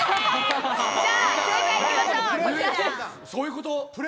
では正解いきましょう。